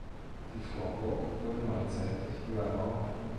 Die Vorburg wurde neuzeitlich überbaut.